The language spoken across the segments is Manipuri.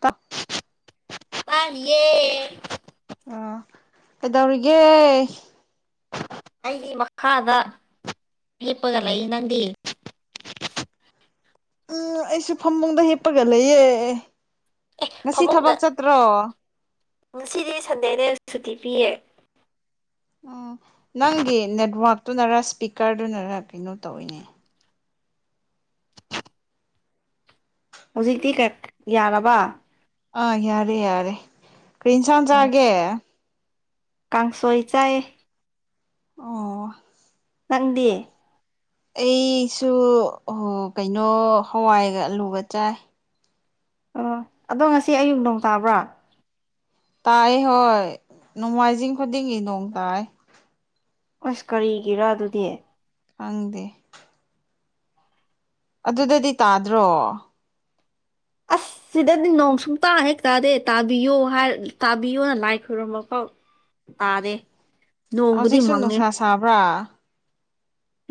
ꯇꯞ ꯇꯥꯔꯤꯌꯦ ꯑꯥ ꯀꯩꯗꯧꯔꯤꯒꯦ ꯑꯩꯒꯤ ꯃꯈꯥꯗ ꯍꯤꯞꯄꯒ ꯂꯩ ꯅꯪꯗꯤ ꯎꯝ ꯑꯩꯁꯨ ꯐꯃꯨꯡꯗ ꯍꯤꯞꯄꯒ ꯂꯩꯌꯦ ꯉꯁꯤ ꯐꯃꯨꯡꯗ ꯊꯕꯛ ꯆꯠꯇ꯭ꯔꯣ ꯉꯁꯤꯗꯤ ꯁꯟꯗꯦꯅꯦ ꯁꯨꯇꯤ ꯄꯤꯌꯦ ꯎꯝ ꯅꯪꯒꯤ ꯅꯦꯠꯋꯥꯛꯇꯨꯅꯔ ꯏꯁꯄꯤꯀꯔꯗꯨꯅꯔ ꯀꯩꯅꯣ ꯇꯧꯋꯤꯅꯦ ꯍꯧꯖꯤꯛꯇꯤ ꯀꯩ ꯌꯥꯔꯕ ꯑꯥ ꯌꯥꯔꯦ ꯌꯥꯔꯦ ꯀ꯭ꯔꯤꯏꯟꯁꯥꯡ ꯆꯥꯒꯦ ꯀꯥꯡꯁꯣꯏ ꯆꯥꯏꯌꯦ ꯑꯣ ꯅꯪꯗꯤ ꯑꯩꯁꯨ ꯍꯣ ꯀꯩꯅꯣ ꯍꯋꯥꯏꯒ ꯑꯜꯂꯨꯒ ꯆꯥꯏ ꯑꯣ ꯑꯗꯣ ꯉꯁꯤ ꯑꯌꯨꯛ ꯅꯣꯡ ꯇꯥꯕ꯭ꯔꯥ ꯇꯥꯏꯌꯦ ꯍꯣꯏ ꯅꯣꯡꯃꯥꯏꯖꯤꯡ ꯈꯨꯗꯤꯡꯒꯤ ꯅꯣꯡ ꯇꯥꯏ ꯑꯁ ꯀꯔꯤꯒꯤꯔꯥ ꯑꯗꯨꯗꯤ ꯈꯪꯗꯦ ꯑꯗꯨꯗꯗꯤ ꯇꯥꯗ꯭ꯔꯣ ꯑꯁ ꯁꯤꯗꯗꯤ ꯅꯣꯡ ꯁꯨꯡꯇꯥ ꯍꯦꯛ ꯇꯥꯗꯦ ꯇꯥꯕꯤꯌꯣ ꯇꯥꯕꯤꯌꯣꯅ ꯂꯥꯏ ꯈꯨꯔꯨꯝꯕꯐꯥꯎ ꯇꯥꯗꯦ ꯅꯣꯡꯕꯨꯗꯤ ꯍꯧꯖꯤꯛꯁꯨ ꯃꯪꯉꯦ ꯅꯨꯡꯁꯥ ꯁꯥꯕ꯭ꯔꯥ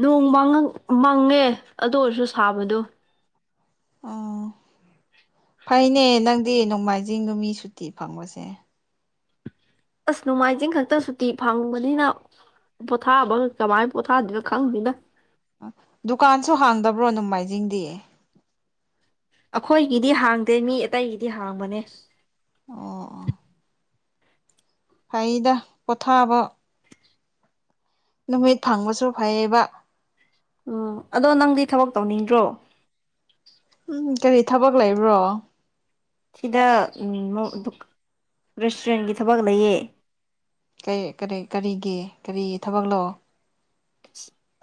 ꯅꯣꯡ ꯃꯪꯉ ꯃꯪꯉꯦ ꯑꯗꯨ ꯑꯣꯏꯔꯁꯨ ꯁꯥꯕꯗꯣ ꯑꯣ ꯐꯩꯅꯦ ꯅꯪꯗꯤ ꯅꯣꯡꯃꯥꯏꯖꯤꯡ ꯅꯨꯃꯤ ꯁꯨꯇꯤ ꯐꯪꯕꯁꯦ ꯑꯁ ꯅꯣꯡꯃꯥꯏꯖꯤꯡ ꯈꯛꯇ ꯁꯨꯇꯤ ꯐꯪꯕꯅꯤꯅ ꯄꯣꯊꯥꯕꯒ ꯀꯃꯥꯏ ꯄꯣꯊꯥꯗꯣꯏꯅꯣ ꯈꯪꯗꯦꯗ ꯗꯨꯀꯥꯟꯁꯨ ꯍꯥꯡꯗꯕ꯭ꯔꯣ ꯅꯣꯡꯃꯥꯏꯖꯤꯡꯗꯤ ꯑꯩꯈꯣꯏꯒꯤꯗꯤ ꯍꯥꯡꯗꯦ ꯃꯤ ꯑꯇꯩꯒꯤꯗꯤ ꯍꯥꯡꯕꯅꯦ ꯑꯣ ꯑꯣ ꯐꯩꯗ ꯄꯣꯊꯥꯕ ꯅꯨꯃꯤꯠ ꯐꯪꯕꯁꯨ ꯐꯩꯌꯦꯕ ꯎꯝ ꯑꯗꯣ ꯅꯪꯗꯤ ꯊꯕꯛ ꯇꯧꯅꯤꯡꯗ꯭ꯔꯣ ꯎꯝ ꯀꯔꯤ ꯊꯕꯛ ꯂꯩꯕ꯭ꯔꯣ ꯁꯤꯗ ꯎꯝ ꯗꯨ ꯔꯦꯁꯇꯨꯔꯦꯟꯒꯤ ꯊꯕꯛ ꯂꯩꯌꯦ ꯀꯩ ꯀꯔꯤ ꯀꯔꯤꯒꯤ ꯀꯔꯤ ꯊꯕꯛ ꯂꯣ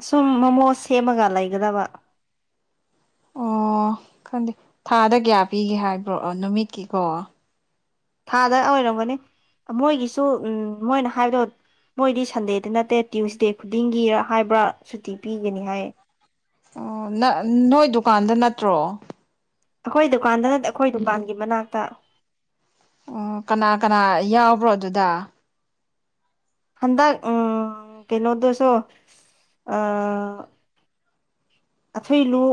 ꯁꯨꯝ ꯃꯣꯃꯣ ꯁꯦꯝꯃꯒ ꯂꯩꯒꯗꯕ ꯑꯣ ꯈꯪꯗꯦ ꯊꯥꯗ ꯀꯌꯥ ꯄꯤꯒꯦ ꯍꯥꯏꯕ꯭ꯔꯣ ꯑꯣ ꯅꯨꯃꯤꯠꯀꯤꯀꯣ ꯊꯥꯗ ꯑꯣꯏꯔꯝꯒꯅꯤ ꯃꯣꯏꯒꯤꯁꯨ ꯎꯝ ꯃꯣꯏꯅ ꯍꯥꯏꯕꯗꯣ ꯃꯣꯏꯗꯤ ꯁꯟꯗꯦꯗ ꯅꯠꯇꯦ ꯇ꯭ꯋꯨꯁꯗꯦ ꯈꯨꯗꯤꯡꯒꯤ ꯍꯥꯏꯕ꯭ꯔꯥ ꯁꯨꯇꯤ ꯄꯤꯒꯅꯤ ꯍꯥꯏ ꯑꯣ ꯅꯪ ꯅꯣꯏ ꯗꯨꯀꯥꯟꯗ ꯅꯠꯇ꯭ꯔꯣ ꯑꯩꯈꯣꯏ ꯗꯨꯀꯥꯟꯗ ꯅꯠ ꯑꯩꯈꯣꯏ ꯗꯨꯀꯥꯟꯒꯤ ꯃꯅꯥꯛꯇ ꯑꯣ ꯀꯅꯥ ꯀꯅꯥ ꯌꯥꯎꯕ꯭ꯔꯣ ꯑꯗꯨꯗ ꯍꯟꯗꯛ ꯎꯝ ꯀꯩꯅꯣꯗꯨꯁꯨ ꯑꯥ ꯑꯊꯨꯏꯂꯨ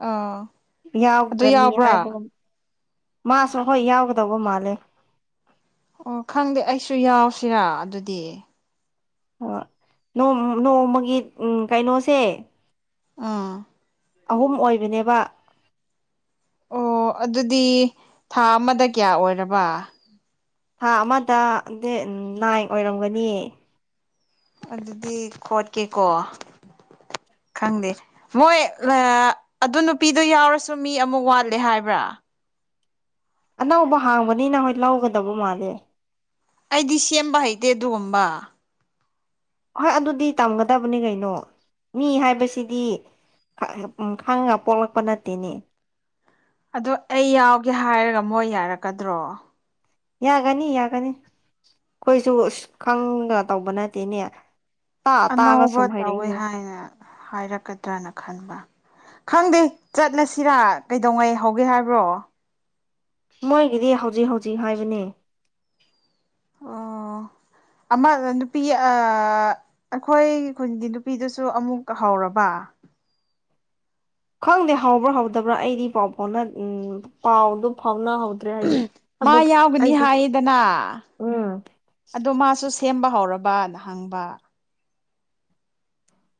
ꯑꯥꯎ ꯌꯥꯎꯒꯅꯤ ꯍꯥꯏꯕꯒꯨꯝ ꯃꯥꯁꯨ ꯍꯣꯏ ꯌꯥꯎꯒꯗꯧꯕ ꯃꯥꯜꯂꯦ ꯑꯣ ꯈꯪꯗꯦ ꯑꯩꯁꯨ ꯌꯥꯎꯁꯤꯔꯥ ꯑꯗꯨꯗꯤ ꯑ ꯅꯣꯡ ꯅꯣꯡꯃꯒꯤ ꯎꯝ ꯀꯩꯅꯣꯁꯦ ꯎꯝ ꯑꯍꯨꯝ ꯑꯣꯏꯕꯅꯦꯕ ꯑꯣ ꯑꯗꯨꯗꯤ ꯊꯥ ꯑꯃꯗ ꯀꯌꯥ ꯑꯣꯏꯔꯕ ꯊꯥ ꯑꯃꯗ ꯗꯦ ꯅꯥꯏꯟ ꯑꯣꯏꯔꯝꯒꯅꯤꯌꯦ ꯑꯗꯨꯗꯤ ꯈꯣꯠꯀꯦꯀꯣ ꯈꯪꯗꯦ ꯃꯣꯏ ꯑꯗꯨ ꯅꯨꯄꯤꯗꯨ ꯌꯥꯎꯔꯁꯨ ꯃꯤ ꯑꯃꯨꯛ ꯋꯥꯠꯂꯦ ꯍꯥꯏꯕ꯭ꯔꯥ ꯑꯅꯧꯕ ꯍꯥꯡꯕꯅꯤꯅ ꯍꯣꯏ ꯂꯧꯒꯗꯕ ꯃꯥꯜꯂꯦ ꯑꯩꯗꯤ ꯁꯦꯝꯕ ꯍꯩꯇꯦ ꯑꯗꯨꯒꯨꯝꯕ ꯍꯣꯏ ꯑꯗꯨꯗꯤ ꯇꯝꯒꯗꯕꯅꯤ ꯀꯩꯅꯣ ꯃꯤ ꯍꯥꯏꯕꯁꯤꯗꯤ ꯎꯝ ꯈꯪꯉꯒ ꯄꯣꯛꯂꯛꯄ ꯅꯠꯇꯦꯅꯤ ꯑꯗꯣ ꯑꯩ ꯌꯥꯎꯒꯦ ꯍꯥꯏꯔꯒ ꯃꯣꯏ ꯌꯥꯔꯛꯀꯗ꯭ꯔꯣ ꯌꯥꯒꯅꯤ ꯌꯥꯒꯅꯤ ꯑꯩꯈꯣꯏꯁꯨ ꯑꯥ ꯈꯪꯒ ꯇꯧꯕ ꯅꯠꯇꯦꯅꯦ ꯇꯥ ꯇꯥꯒ ꯑꯅꯧꯕ ꯁꯨꯝ ꯇꯧꯋꯦ ꯍꯥꯏꯔꯛꯏꯅꯦ ꯍꯥꯏꯅ ꯍꯥꯏꯔꯛꯀꯗ꯭ꯔꯅ ꯈꯟꯕ ꯈꯪꯗꯦ ꯆꯠꯂꯁꯤꯔꯥ ꯀꯩꯗꯧꯉꯩ ꯍꯧꯒꯦ ꯍꯥꯏꯕ꯭ꯔꯣ ꯃꯣꯏꯒꯤꯗꯤ ꯍꯧꯖꯤꯛ ꯍꯧꯖꯤꯛ ꯍꯥꯏꯕꯅꯦ ꯑꯣ ꯑꯃ ꯅꯨꯄꯤ ꯑꯥ ꯑꯩꯈꯣꯏꯒꯤ ꯈꯨꯟꯒꯤ ꯅꯨꯄꯤꯗꯨꯁꯨ ꯑꯃꯨꯛ ꯍꯧꯔꯕ [inaudible] ꯈꯪꯗꯦ ꯍꯧꯕ꯭ꯔꯥ ꯍꯧꯗꯕ꯭ꯔꯥ ꯑꯩꯗꯤ ꯄꯥꯎ ꯐꯥꯎꯅ ꯎꯝ ꯄꯥꯎꯗꯨ ꯐꯥꯎꯅ ꯃꯥ ꯌꯥꯎꯒꯅꯤ ꯍꯥꯏꯌꯦꯗꯅ ꯎꯝ ꯑꯗꯣ ꯃꯥꯁꯨ ꯁꯦꯝꯕ ꯍꯧꯔꯕꯅ ꯍꯪꯕ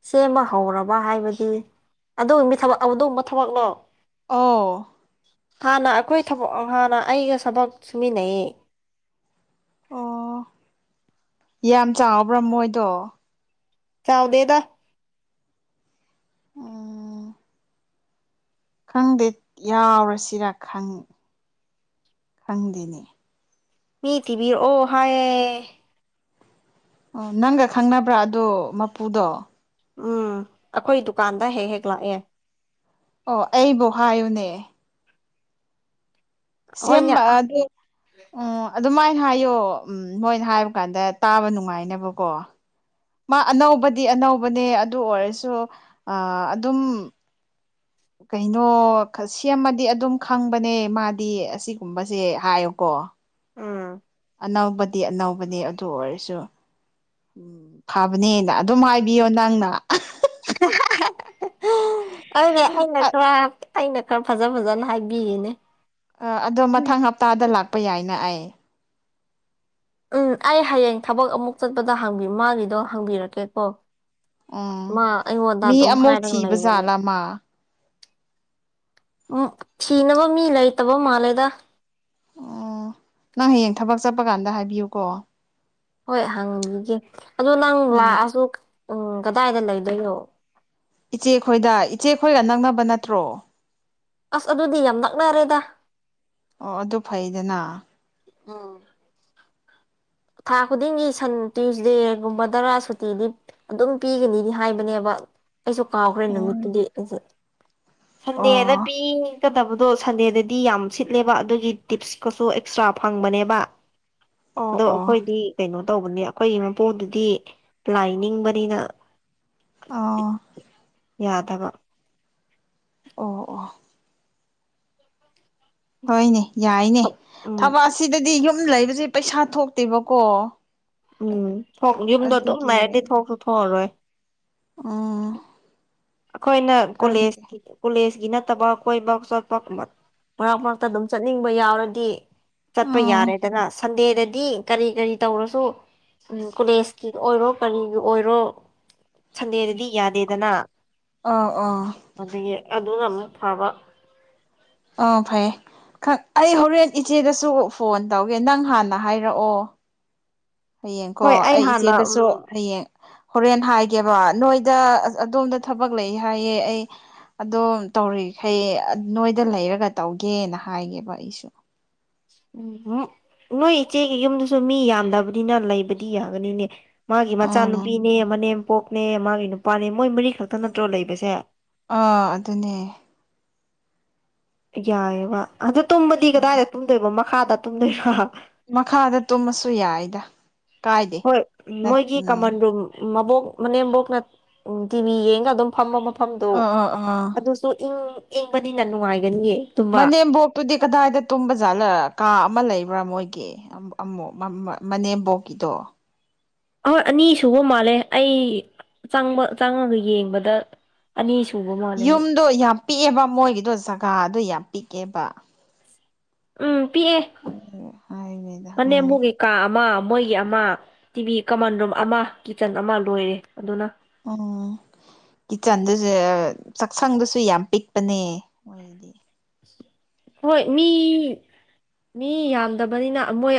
ꯁꯦꯝꯕ ꯍꯧꯔꯕ ꯍꯥꯏꯕꯗꯤ ꯑꯗꯨꯒꯨꯝꯕ ꯊꯕꯛ ꯂꯣ ꯑꯣ ꯍꯥꯟꯅ ꯑꯩꯈꯣꯏ ꯊꯕꯛ ꯍꯥꯟꯅ ꯑꯩꯒ ꯊꯕꯛ ꯁꯨꯃꯤꯟꯅꯩ ꯑꯣ ꯌꯥꯝ ꯆꯥꯎꯕ꯭ꯔꯥ ꯃꯣꯏꯗꯣ ꯆꯥꯎꯗꯦꯗ ꯑꯣ ꯈꯪꯗꯦ ꯌꯥꯎꯔꯁꯤꯔ ꯈꯪ ꯈꯪꯗꯦꯅꯦ ꯃꯤ ꯇꯤꯕꯤꯔꯛ ꯑꯣ ꯍꯥꯏꯌꯦ ꯑꯣ ꯅꯪꯒ ꯈꯪꯅꯕ꯭ꯔꯥ ꯑꯗꯣ ꯃꯄꯨꯗꯣ ꯎꯝ ꯑꯩꯈꯣꯏ ꯗꯨꯀꯥꯟꯗ ꯍꯦꯛ ꯍꯦꯛ ꯂꯥꯛꯑꯦ ꯑꯣ ꯑꯩꯕꯨ ꯍꯥꯏꯌꯨꯅꯦ ꯍꯣꯏꯅꯦ ꯁꯦꯝꯕ ꯑꯗꯨ ꯎꯝ ꯑꯗꯨꯃꯥꯏ ꯍꯥꯏꯌꯣ ꯎꯝ ꯃꯣꯏꯅ ꯍꯥꯏꯕ ꯀꯥꯟꯗ ꯇꯥꯕ ꯅꯨꯡꯉꯥꯏꯅꯕꯀꯣ ꯃꯥ ꯑꯅꯧꯕꯗꯤ ꯑꯅꯧꯕꯅꯦ ꯑꯗꯨ ꯑꯣꯏꯔꯁꯨ ꯑꯥ ꯑꯗꯨꯝ ꯀꯩꯅꯣ ꯈ ꯁꯦꯝꯃꯗꯤ ꯑꯗꯨꯝ ꯈꯪꯕꯅꯦ ꯃꯥꯗꯤ ꯑꯁꯤꯒꯨꯝꯕꯁꯦ ꯍꯥꯏꯌꯨꯀꯣ ꯎꯝ ꯑꯅꯧꯕꯗꯤ ꯑꯅꯧꯕꯅꯦ ꯑꯗꯨ ꯑꯣꯏꯔꯁꯨ ꯎꯝ ꯐꯕꯅꯦꯅ ꯑꯗꯨꯝ ꯍꯥꯏꯕꯤꯌꯣ ꯅꯪꯅ [unintelligible] ꯑꯩꯅ ꯈꯔ ꯐꯖ ꯐꯖꯅ ꯍꯥꯏꯕꯤꯌꯦꯅꯦ ꯑꯥ ꯑꯗꯣ ꯃꯊꯪ ꯍꯞꯇꯥꯗ ꯂꯥꯛꯄ ꯌꯥꯏꯅ ꯑꯩ ꯎꯝ ꯑꯩ ꯍꯌꯦꯡ ꯊꯕꯛ ꯑꯃꯨꯛ ꯆꯠꯄꯗ ꯍꯪꯒ ꯃꯥꯒꯤꯗꯣ ꯍꯪꯕꯤꯔꯛꯀꯦꯀꯣ ꯎꯝ ꯃꯥ ꯑꯩꯉꯣꯟꯗ ꯃꯤ ꯑꯗꯨꯝ ꯑꯃꯨꯛ ꯍꯥꯏꯔꯒ ꯊꯤꯕ ꯂꯩꯕꯅꯤ ꯖꯥꯠꯂꯥ ꯃꯥ ꯎꯝ ꯊꯤꯅꯕ ꯃꯤ ꯂꯩꯇꯕ ꯃꯥꯜꯂꯦꯗ ꯑꯣ ꯅꯪ ꯍꯌꯦꯡ ꯊꯕꯛ ꯆꯠꯄ ꯀꯥꯟꯗ ꯍꯥꯏꯕꯤꯌꯨꯀꯣ ꯍꯣꯏ ꯍꯪꯒꯤꯒꯦ ꯑꯗꯣ ꯅꯪ ꯎꯝ ꯂꯥꯛꯑꯁꯨ ꯎꯝ ꯀꯗꯥꯏꯗ ꯂꯩꯗꯣꯏꯅꯣ ꯏꯆꯦꯈꯣꯏꯗ ꯏꯆꯦꯈꯣꯏꯒ ꯅꯛꯅꯕ ꯅꯠꯇ꯭ꯔꯣ ꯑꯁ ꯑꯗꯨꯗꯤ ꯌꯥꯝ ꯅꯛꯅꯔꯦꯗ ꯑꯣ ꯑꯗꯨ ꯐꯩꯗꯅ ꯎꯝ ꯊꯥ ꯈꯨꯗꯤꯡꯒꯤ ꯁꯟ ꯇ꯭ꯌꯨꯁꯗꯦꯒꯨꯝꯕꯗꯔꯥ ꯁꯨꯇꯤꯗꯤ ꯑꯗꯨꯝ ꯄꯤꯒꯅꯤꯗꯤ ꯍꯥꯏꯕꯅꯦꯕ ꯑꯩꯁꯨ ꯀꯥꯎꯈ꯭ꯔꯦ ꯎꯝ ꯅꯨꯃꯤꯠꯇꯨꯗꯤ ꯑꯩꯁꯦ ꯁꯟꯗꯦꯗ ꯑꯣ ꯄꯤ ꯀꯗꯕꯗꯣ ꯁꯟꯗꯦꯗꯗꯤ ꯌꯥꯝ ꯁꯤꯠꯂꯦꯕ ꯑꯗꯨꯒꯤ ꯇꯤꯞꯁꯀꯁꯨ ꯑꯦꯛꯁꯇ꯭ꯔꯥ ꯐꯪꯕꯅꯦꯕ ꯑꯣ ꯑꯗꯣ ꯑꯣ ꯑꯩꯈꯣꯏꯗꯤ ꯀꯩꯅꯣ ꯇꯧꯕꯅꯦ ꯑꯩꯈꯣꯏꯒꯤ ꯃꯄꯨꯗꯨꯗꯤ ꯂꯥꯏ ꯅꯤꯡꯕꯅꯤꯅ ꯑꯥꯎ ꯌꯥꯗꯕ ꯑꯣ ꯑꯣ ꯍꯣꯏꯅꯦ ꯌꯥꯏꯅꯦ ꯊꯕꯛ ꯎꯝ ꯊꯕꯛ ꯑꯁꯤꯗꯗꯤ ꯌꯨꯝ ꯗꯨꯝ ꯂꯩꯕꯁꯦ ꯄꯩꯁꯥ ꯊꯣꯛꯇꯦꯕꯀꯣ ꯎꯝ ꯊꯣꯛ ꯌꯨꯝꯗꯣ ꯑꯗꯨꯝ ꯂꯥꯏꯔꯗꯤ ꯊꯣꯛꯁꯨ ꯊꯣꯛꯑꯔꯣꯏ ꯥꯎꯝ ꯑꯩꯈꯣꯏꯅ ꯀꯣꯂꯦꯖ ꯀꯣꯂꯦꯖ ꯒꯤ ꯅꯠꯇꯕ ꯀꯣꯏꯕ ꯆꯣꯠꯄ ꯐꯃꯠ ꯃꯔꯛ ꯃꯔꯛꯇ ꯑꯗꯨꯝ ꯆꯠꯅꯤꯡꯕ ꯌꯥꯎꯔꯗꯤ ꯆꯠꯄ ꯎꯝ ꯌꯥꯔꯦꯗꯅ ꯁꯟꯗꯦꯗꯗꯤ ꯀꯔꯤ ꯀꯔꯤ ꯇꯧꯔꯁꯨ ꯎꯝ ꯀꯣꯂꯦꯖꯀꯤ ꯑꯣꯏꯔꯣ ꯀꯔꯤꯒꯤ ꯑꯣꯏꯔꯣ ꯁꯟꯗꯦꯗꯗꯤ ꯌꯥꯗꯦꯗꯅ ꯑꯥ ꯑꯥ ꯑꯗꯒꯤ ꯑꯗꯨꯅ ꯑꯃꯨꯛ ꯐꯥꯕ ꯑꯥ ꯐꯩꯌꯦ ꯈꯛ ꯑꯩ ꯍꯣꯔꯦꯟ ꯏꯆꯦꯗꯁꯨ ꯐꯣꯟ ꯇꯧꯒꯦ ꯅꯪ ꯍꯥꯟꯅ ꯍꯥꯏꯔꯛꯑꯣ ꯍꯌꯦꯡ ꯀꯣ ꯍꯣꯏ ꯑꯩ ꯍꯥꯟꯅ ꯏꯆꯦꯗꯁꯨ ꯎꯝ ꯍꯌꯦꯡ ꯍꯣꯔꯦꯟ ꯍꯥꯏꯒꯦꯕ ꯅꯣꯏꯗ ꯑꯗꯣꯝꯗ ꯊꯕꯛ ꯂꯩ ꯍꯥꯏꯌꯦ ꯑꯩ ꯑꯗꯣ ꯇꯧꯔꯤꯈꯩ ꯑ ꯅꯣꯏꯗ ꯂꯩꯔꯒ ꯇꯧꯒꯦꯅ ꯍꯥꯏꯒꯦꯕ ꯑꯩꯁꯨ ꯎꯝꯎꯨꯝ ꯅꯣꯏ ꯏꯆꯦꯒꯤ ꯌꯨꯝꯗꯨꯁꯨ ꯃꯤ ꯌꯥꯝꯗꯕꯅꯤꯅ ꯂꯩꯕꯗꯤ ꯌꯥꯒꯅꯤꯅꯦ ꯃꯥꯒꯤ ꯎꯝ ꯃꯆꯥꯅꯨꯄꯤꯅꯦ ꯃꯅꯦꯝꯄꯣꯛꯅꯦ ꯃꯥꯒꯤ ꯅꯨꯄꯥꯅꯦ ꯃꯣꯏ ꯃꯔꯤ ꯈꯛꯇ ꯅꯠꯇ꯭ꯔꯣ ꯂꯩꯕꯁꯦ ꯑꯥ ꯑꯗꯨꯅꯦ ꯌꯥꯏꯑꯦꯕ ꯑꯗꯨ ꯇꯨꯝꯕꯗꯤ ꯎꯝ ꯀꯗꯥꯏꯗ ꯇꯨꯝꯗꯣꯏꯕ ꯃꯈꯥꯗ ꯇꯨꯝꯗꯣꯏꯔꯣ ꯃꯈꯥꯗ ꯇꯨꯝꯃꯁꯨ ꯌꯥꯏꯗ ꯀꯥꯏꯗꯦ ꯍꯣꯏ ꯅꯠ ꯃꯣꯏꯒꯤ ꯎꯝ ꯀꯃꯟ ꯔꯨꯝ ꯃꯕꯣꯛ ꯃꯅꯦꯝꯕꯣꯛꯅ ꯇꯤꯚꯤ ꯌꯦꯡꯒ ꯑꯗꯨꯝ ꯐꯝꯕ ꯃꯞ ꯐꯝꯗꯣ ꯑꯥ ꯑꯥ ꯑꯥ ꯑꯗꯨꯁꯨ ꯏꯪ ꯏꯪꯕꯅꯤꯅ ꯅꯨꯡꯉꯥꯏꯒꯅꯤꯌꯦ ꯇꯨꯝꯕ ꯃꯅꯦꯝꯕꯣꯛꯇꯨꯗꯤ ꯀꯗꯥꯏꯗ ꯇꯨꯝꯕ ꯖꯥꯠꯂ ꯀꯥ ꯑꯃ ꯂꯩꯕ ꯄꯨꯔ ꯃꯣꯏꯒꯤ ꯑꯝ ꯑꯝꯃ ꯃꯅꯦꯝꯕꯣꯛꯀꯤꯗꯣ ꯍꯣꯏ ꯑꯅꯤ ꯁꯨꯕ ꯃꯥꯜꯂꯦ ꯑꯩ ꯆꯪꯕ ꯆꯪꯉꯒ ꯌꯦꯡꯕꯗ ꯑꯅꯤ ꯁꯨ ꯌꯨꯝꯗꯣ ꯌꯥꯝ ꯄꯤꯛꯑꯦꯕ ꯃꯣꯏꯒꯤꯗꯣ ꯖꯒꯥꯗꯣ ꯌꯥꯝ ꯄꯤꯛꯑꯦꯕ ꯎꯝ ꯄꯤꯛꯑꯦ ꯍꯥꯏꯅꯤꯗ ꯎꯝ ꯃꯅꯦꯝꯕꯣꯛꯀꯤ ꯀꯥ ꯑꯃ ꯃꯣꯏꯒꯤ ꯑꯃ ꯇꯤꯚꯤ ꯀꯃꯟ ꯔꯨꯝ ꯑꯃ ꯀꯤꯠꯆꯟ ꯑꯃ ꯂꯣꯏꯔꯦ ꯑꯗꯨꯅꯧ ꯑꯣ ꯀꯤꯆꯟꯗꯨꯁꯨ ꯑꯥ ꯆꯥꯛꯁꯪꯗꯨꯁꯨ ꯌꯥꯝ ꯄꯤꯛꯄꯅꯦ ꯃꯣꯏꯒꯤꯗꯤ ꯍꯣꯏ ꯃꯤ ꯃꯤ ꯌꯥꯝꯗꯕꯅꯤꯅ ꯃꯣꯏ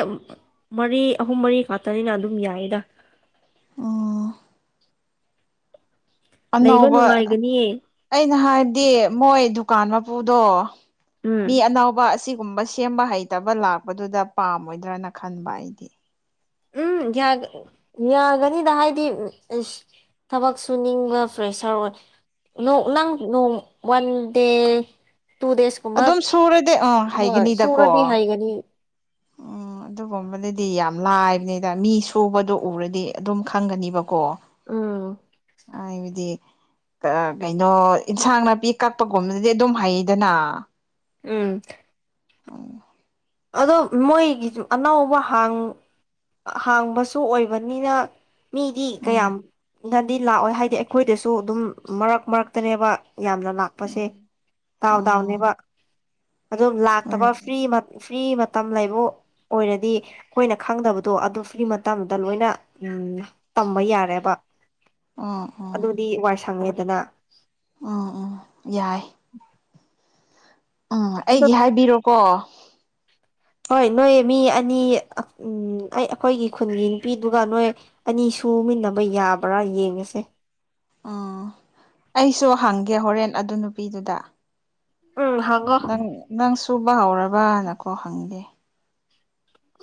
ꯃꯔꯤ ꯑꯍꯨꯝ ꯃꯔꯤ ꯈꯥꯛꯛꯇꯅꯤꯅ ꯑꯗꯨꯝ ꯌꯥꯏꯌꯦꯗ ꯎꯝ ꯂꯩꯕ ꯑꯅꯧꯕ ꯅꯨꯡꯉꯥꯏꯒꯅꯤꯌꯦ ꯑꯩꯅ ꯍꯥꯏ ꯗꯤ ꯃꯣꯏ ꯗꯨꯀꯥꯟ ꯃꯄꯨꯗꯣ ꯎꯝ ꯃꯤ ꯑꯅꯧꯕ ꯁꯤꯒꯨꯝꯕ ꯁꯦꯝꯕ ꯍꯩꯇꯕ ꯂꯥꯛꯄꯗꯨꯗ ꯄꯥꯝꯃꯣꯏꯗ꯭ꯔꯅ ꯈꯟꯕ ꯑꯩꯗꯤ ꯌꯥꯒ ꯌꯥꯒꯅꯤꯗ ꯍꯥꯏꯗꯤ ꯏꯁ ꯊꯕꯛ ꯁꯨꯅꯤꯡꯕ ꯐ꯭ꯔꯦꯁꯔ ꯑꯣꯏ ꯅꯣꯡ ꯅꯪ ꯅꯣꯡ ꯋꯥꯟ ꯗꯦ ꯇꯨ ꯗꯦꯖꯀꯨꯝꯕ ꯑꯗꯨꯝ ꯁꯨꯔꯗꯤ ꯑꯪ ꯍꯣꯏ ꯍꯩꯒꯅꯤꯗꯀꯣ ꯁꯨꯔꯗꯤ ꯍꯩꯒꯅꯤ ꯎꯝ ꯑꯗꯨꯒꯨꯝꯕꯗꯗꯤ ꯌꯥꯝ ꯂꯥꯏꯕꯅꯤꯗ ꯃꯤ ꯁꯨꯕꯗꯣ ꯎꯔꯗꯤ ꯑꯗꯨꯝ ꯈꯪꯒꯅꯤꯕ ꯀꯣ ꯎꯝ ꯍꯥꯏꯕꯗꯤ ꯀꯩꯅꯣ ꯏꯟꯁꯥꯡ ꯅꯥꯄꯤ ꯀꯛꯄꯒꯨꯝꯕꯗꯗꯤ ꯑꯗꯨꯝ ꯍꯩꯗꯅ ꯎꯝ ꯑꯗꯣ ꯃꯣꯏꯒꯤꯁꯨ ꯑꯅꯧꯕ ꯍꯥꯡ ꯍꯥꯡꯕꯁꯨ ꯑꯣꯏꯕꯅꯤꯅ ꯃꯤꯗꯤ ꯎꯝ ꯀꯌꯥꯝꯅꯗꯤ ꯂꯥꯛꯑꯣꯏ ꯍꯥꯏꯗꯤ ꯑꯩꯈꯣꯏꯗꯁꯨ ꯑꯗꯨꯝ ꯃꯔꯛ ꯃꯔꯛꯇꯅꯦꯕ ꯌꯥꯝꯅ ꯂꯥꯛꯄꯁꯦ ꯎꯝ ꯗꯥꯎ ꯎꯝ ꯗꯥꯎꯅꯦꯕ ꯑꯗꯨꯝ ꯎꯝ ꯂꯥꯛꯇꯕ ꯐ꯭ꯔꯤ ꯐ꯭ꯔꯤ ꯃꯇꯝ ꯂꯩꯕꯨ ꯑꯣꯏꯔꯗꯤ ꯑꯩꯈꯣꯏꯅ ꯈꯪꯗꯕꯗꯣ ꯑꯗꯨ ꯐ꯭ꯔꯤ ꯃꯇꯝꯗ ꯂꯣꯏꯅ ꯇꯝꯕ ꯌꯥꯔꯦꯕ ꯎꯝ ꯎꯝ ꯑꯗꯨꯗꯤ ꯋꯥꯏ ꯁꯪꯉꯦꯗꯅ ꯎꯝ ꯎꯝ ꯌꯥꯏ ꯎꯝ ꯑꯗꯣ ꯑꯩꯒꯤ ꯍꯥꯏꯕꯤꯔꯣꯀꯣ ꯍꯣꯏ ꯅꯣꯏ ꯃꯤ ꯑꯅꯤ ꯎꯝ ꯑꯩ ꯑꯩꯈꯣꯏꯒꯤ ꯈꯨꯟꯒꯤ ꯅꯨꯄꯤꯗꯨꯒ ꯅꯣꯏ ꯑꯅꯤꯁꯨ ꯁꯨꯃꯤꯟꯅꯕ ꯌꯥꯕ꯭ꯔꯥ ꯌꯦꯡꯉꯁꯦ ꯎꯝ ꯑꯩꯁꯨ ꯍꯪꯒꯦ ꯍꯣꯔꯦꯟ ꯑꯗꯨ ꯅꯨꯄꯤꯗꯨꯗ ꯎꯝ ꯍꯪꯉꯣ ꯅꯪ ꯅꯪ ꯁꯨꯕ ꯍꯧꯔꯕꯅꯀꯣ ꯍꯪꯒꯦ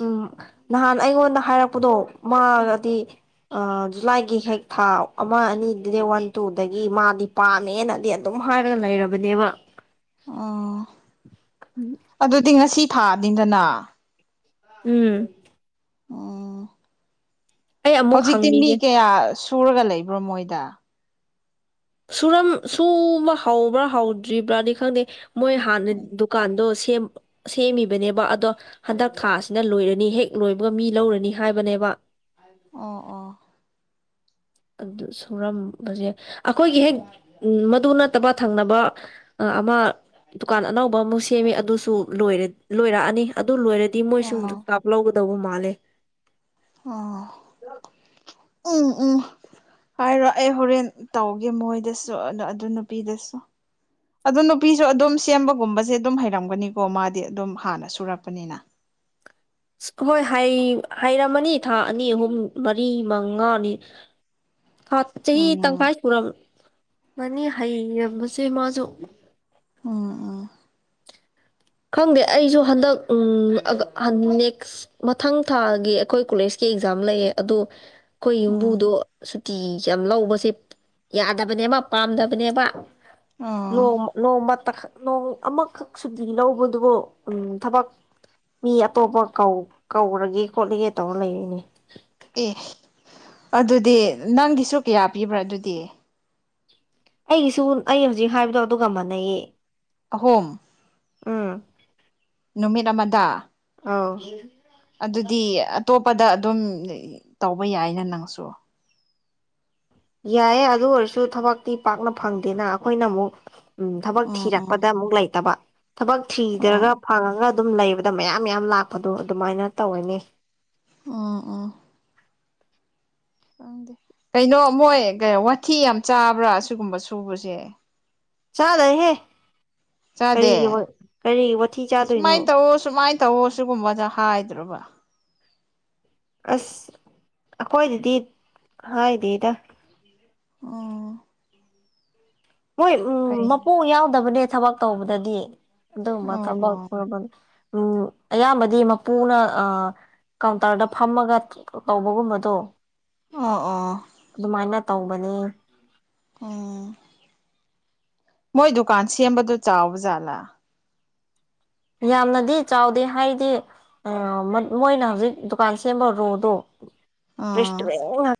ꯎꯝ ꯅꯍꯥꯟ ꯑꯩꯉꯣꯟꯗ ꯍꯥꯏꯔꯛꯄꯗꯣ ꯃꯥꯒꯗꯤ ꯑ ꯖꯨꯂꯥꯏꯒꯤ ꯍꯦꯛ ꯊꯥ ꯑꯃ ꯑꯅꯤꯗꯦ ꯋꯥꯟ ꯇꯨꯗꯒꯤ ꯃꯥꯗꯤ ꯄꯥꯝꯃꯦꯅꯗꯤ ꯑꯗꯨꯝ ꯍꯥꯏꯔꯒ ꯂꯩꯔꯕꯅꯦꯕ ꯑꯣ ꯑꯗꯨꯗꯤ ꯉꯁꯤ ꯊꯥꯅꯤꯗꯅ ꯎꯝ ꯎꯝ ꯑꯩ ꯑꯃꯨꯛ ꯍꯧꯖꯤꯛꯇꯤ ꯃꯤ ꯍꯪꯕꯤꯒꯦ ꯀꯌꯥ ꯁꯨꯔꯒ ꯂꯩꯕ꯭ꯔꯣ ꯃꯣꯏꯗ ꯁꯨꯔꯝ ꯁꯨꯕ ꯍꯕ꯭ꯔꯥ ꯍꯧꯗ꯭ꯔꯤꯕ꯭ꯔꯥꯗꯤ ꯈꯪꯗꯦ ꯃꯣꯏ ꯍꯥꯟꯅ ꯗꯨꯀꯥꯟꯗꯣ ꯁꯦꯝꯃꯤꯕꯅꯦꯕ ꯑꯗꯣ ꯍꯟꯗꯛ ꯊꯥ ꯑꯁꯤꯅ ꯂꯣꯏꯔꯅꯤ ꯍꯦꯛ ꯂꯣꯏꯕꯒ ꯃꯤ ꯂꯧꯔꯅꯤ ꯍꯥꯏꯕꯅꯦꯕ [unintelligible] ꯑꯣ ꯑꯣ ꯑꯗꯨ ꯁꯨꯔꯝꯕꯁꯦ ꯑꯩꯈꯣꯏꯒꯤ ꯍꯦꯛ ꯃꯗꯨ ꯅꯠꯇꯕ ꯊꯪꯅꯕ ꯑꯃ ꯗꯨꯀꯥꯟ ꯑꯅꯧꯕ ꯑꯃꯨꯛ ꯁꯦꯝꯃꯤ ꯑꯗꯨꯁꯨ ꯂꯣꯏꯔꯛꯑꯅꯤ ꯑꯗꯨ ꯂꯣꯏꯔꯗꯤ ꯃꯣꯏꯁꯨ ꯑꯣ ꯀꯥꯞ ꯂꯧꯒꯗꯧꯕ ꯃꯥꯜꯂꯦ ꯑꯣ ꯎꯝ ꯎꯝ ꯍꯥꯏꯔꯣ ꯑꯩ ꯍꯣꯔꯦꯟ ꯇꯧꯒꯦ ꯃꯣꯏꯗꯁꯨ ꯑꯗꯣ ꯑꯗꯨ ꯅꯨꯄꯤꯗꯁꯨ ꯑꯗꯨ ꯅꯨꯄꯤꯁꯨ ꯑꯗꯨꯝ ꯁꯦꯝꯕꯒꯨꯝꯕꯁꯦ ꯑꯗꯨꯝ ꯍꯩꯔꯝꯒꯅꯤꯀꯣ ꯃꯥꯗꯤ ꯑꯗꯨꯝ ꯍꯥꯟꯅ ꯁꯨꯔꯛꯄꯅꯤꯅ ꯍꯣꯏ ꯍꯩ ꯍꯩꯔꯝꯃꯅꯤ ꯊꯥ ꯑꯅꯤ ꯑꯍꯨꯝ ꯃꯔꯤ ꯃꯉꯥꯅꯤ [inaudible] ꯊꯥ ꯆꯍꯤ ꯎꯝ ꯇꯪꯈꯥꯏ ꯁꯨꯔꯝ ꯃꯥꯅꯤ ꯍꯩꯔꯝꯕꯁꯦ ꯃꯥꯁꯨ ꯑꯣ ꯑꯣ ꯈꯪꯗꯦ ꯑꯩꯁꯨ ꯍꯟꯗꯛ ꯎꯝ ꯑꯒ ꯍꯟꯅꯦꯛꯁ ꯃꯊꯪ ꯊꯥꯒꯤ ꯑꯩꯈꯣꯏ ꯀꯣꯂꯦꯖꯀꯤ ꯑꯦꯛꯖꯥꯝ ꯂꯩꯌꯦ ꯑꯗꯨ ꯑꯩꯈꯣꯏ ꯎꯝ ꯌꯨꯝꯕꯨꯗꯣ ꯁꯨꯇꯤ ꯌꯥꯝ ꯂꯧꯕꯁꯦ ꯌꯥꯗꯕꯅꯦꯕ ꯄꯥꯝꯗꯕꯅꯦꯕ ꯑꯣ ꯅꯣꯡꯃ ꯅꯣꯡꯃꯇ ꯈꯛ ꯅꯣꯡ ꯑꯃꯈꯛ ꯁꯨꯗꯤ ꯂꯧ ꯕꯗꯨꯕꯥꯎ ꯎꯝ ꯊꯕꯛ ꯃꯤ ꯑꯇꯣꯞꯄ ꯀꯧ ꯀꯧꯔꯒꯦ ꯈꯣꯠꯂꯒꯦ ꯇꯧꯔ ꯂꯩꯔꯤꯅꯦ ꯑꯦ ꯑꯗꯨꯗꯤ ꯅꯪꯒꯤꯁꯨ ꯀꯌꯥ ꯄꯤꯕ꯭ꯔꯥ ꯑꯗꯨꯗꯤ ꯑꯩꯒꯤꯁꯨ ꯑꯩ ꯍꯧꯖꯤꯛ ꯍꯥꯏꯕꯗꯣ ꯑꯗꯨꯒ ꯃꯥꯟꯅꯩꯌꯦ ꯑꯍꯨꯝ ꯎꯝ ꯅꯨꯃꯤꯠ ꯑꯃꯗ ꯑꯥꯎ ꯑꯗꯨꯗꯤ ꯑꯇꯣꯞꯄꯗ ꯑꯗꯨꯝ ꯇꯧꯕ ꯌꯥꯏꯅ ꯅꯪꯁꯨ ꯌꯥꯏꯌꯦ ꯑꯗꯨ ꯑꯣꯏꯔꯁꯨ ꯊꯕꯛꯇꯤ ꯄꯥꯛꯅ ꯐꯪꯗꯦꯅ ꯑꯈꯣꯏꯅ ꯑꯃꯨꯛ ꯎꯝ ꯊꯕꯛ ꯎꯝ ꯎꯝ ꯊꯤꯔꯛꯄꯗ ꯑꯃꯨꯛ ꯂꯩꯇꯕ ꯊꯕꯛ ꯊꯤꯗ꯭ꯔꯒ ꯑꯣ ꯐꯪꯉꯒ ꯑꯗꯨꯝ ꯂꯩꯕꯗ ꯃꯌꯥꯝ ꯃꯌꯥꯝ ꯂꯥꯛꯄꯗꯣ ꯑꯗꯨꯃꯥꯏꯅ ꯇꯧꯔꯅꯤ ꯑꯣ ꯑꯣ ꯈꯪꯗꯦ ꯀꯩꯅꯣ ꯃꯣꯏ ꯒꯩ ꯋꯥꯊꯤ ꯌꯥꯝ ꯆꯥꯕ꯭ꯔꯥ ꯁꯤꯒꯨꯝꯕ ꯁꯨꯕꯁꯦ ꯆꯥꯔꯣꯏꯍꯦ ꯆꯥꯗꯦ ꯀꯔꯤꯒꯤ ꯋꯥ ꯀꯔꯤꯒꯤ ꯋꯥꯊꯤ ꯆꯥꯗꯣꯏꯅꯣ ꯁꯨꯃꯥꯏꯅ ꯇꯧꯑꯣ ꯁꯨꯃꯥꯏꯅ ꯇꯧꯑꯣ ꯁꯤꯒꯨꯝꯕꯗ ꯍꯥꯏꯗ꯭ꯔꯕ ꯑꯁ ꯑꯈꯣꯏꯗꯗꯤ ꯍꯥꯏꯗꯦꯗ ꯑꯣ ꯃꯣꯏ ꯎꯝ ꯃꯄꯨ ꯌꯥꯎꯗꯕꯅꯦ ꯊꯕꯛ ꯇꯧꯕꯗꯗꯤ ꯑꯗꯨꯒꯝꯕ ꯑꯣ ꯊꯕꯛ ꯑꯣ ꯇꯧꯕ ꯎꯝ ꯑꯌꯥꯝꯕꯗꯤ ꯃꯄꯨꯅ ꯑꯥ ꯀꯥꯎꯟꯇꯔꯗ ꯐꯝꯃꯒ ꯀꯧꯕꯒꯨꯝꯕꯗꯣ ꯑꯣ ꯑꯣ ꯇꯧꯕꯅꯤ ꯎꯝ ꯃꯣꯏ ꯗꯨꯀꯥꯟ ꯁꯦꯝꯕꯗꯨ ꯆꯥꯎꯕ ꯖꯥꯠꯂꯥ ꯌꯥꯝꯅꯗꯤ ꯆꯥꯎꯗꯦ ꯍꯥꯏꯗꯤ ꯑꯥ ꯃꯣꯏꯅ ꯍꯧꯖꯤꯛ ꯗꯨꯀꯥꯟ ꯁꯦꯝꯕ ꯔꯣꯗꯣ ꯑꯥ ꯔꯦꯁꯇꯨꯔꯦꯟ ꯉꯥꯛ